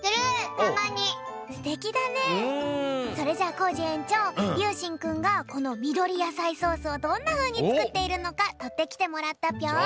それじゃコージえんちょうゆうしんくんがこのみどりやさいソースをどんなふうにつくっているのかとってきてもらったぴょん！